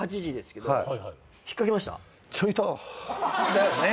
だよね。